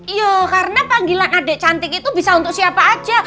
iya karena panggilan adik cantik itu bisa untuk siapa aja